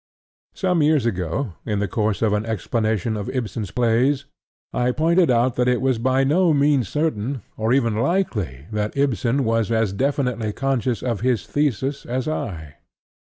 Some years ago, in the course of an explanation of Ibsen's plays, I pointed out that it was by no means certain or even likely that Ibsen was as definitely conscious of his thesis as I.